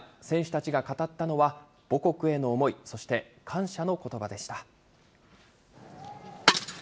選手たちが語ったのは母国への思い、そして感謝のことばでした。